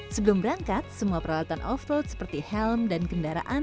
sebelum berangkat semua peralatan off road seperti helm dan kendaraan